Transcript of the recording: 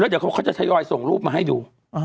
แล้วถ้าไม่เขาจะทำอะไรส่งลูกเราไปให้ดู